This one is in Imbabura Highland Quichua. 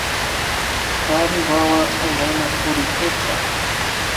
Kari wawa urayman purikurka